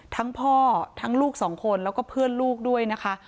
ทั้งพ่อทั้งลูกสองคนแล้วก็เพื่อนลูกด้วยนะคะ